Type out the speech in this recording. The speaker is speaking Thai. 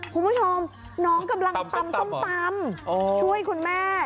คุณผู้ชมน้องกำลังตำส้มตำช่วยคุณแม่